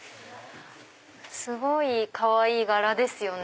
すごいかわいい柄ですよね。